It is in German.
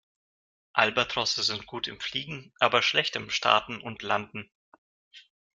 Albatrosse sind gut im Fliegen, aber schlecht im Starten und Landen.